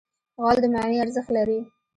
غول د معاینې ارزښت لري.